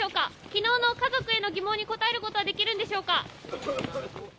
昨日の家族への疑問に答えることはできるんでしょうか。